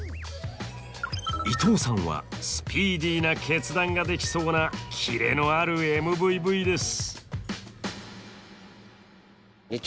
伊藤さんはスピーディーな決断ができそうなキレのあるＭＶＶです。